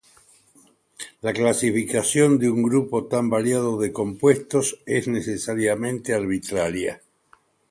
La clasificación de un grupo tan variado de compuestos es necesariamente arbitraria.